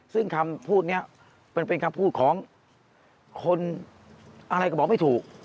ซึ่งคำพูดนี้มันเป็นคำพูดของคนอะไรก็บอกไม่ถูก